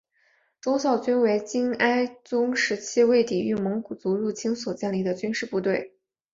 忠孝军为金哀宗时期为抵御蒙古族入侵所建立的军事部队。